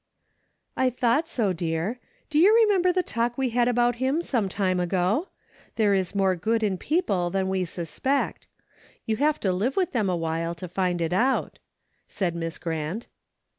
" I thought so, dear. Do you remember the talk we had about him some time ago ? There is more good in most people than we suspect. You have to live with them awhile to find it out," said Miss Grant.